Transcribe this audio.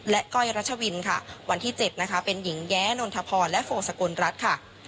ก้อยรัชวินค่ะวันที่๗นะคะเป็นหญิงแย้นนทพรและโฟสกลรัฐค่ะ